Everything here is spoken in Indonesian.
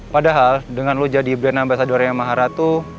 padahal dengan lo jadi ibnana basa duwari maharatu